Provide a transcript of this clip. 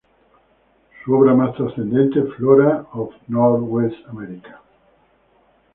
Su obra más trascendente Flora of Northwest America.